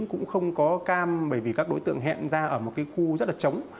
cũng không có cam bởi vì các đối tượng hẹn ra ở một cái khu rất là chống